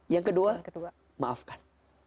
yang kedua maafkan